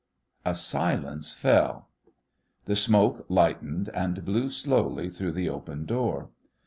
A silence fell. The smoke lightened and blew slowly through the open door.